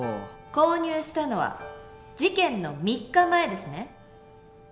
購入したのは事件の３日前ですね？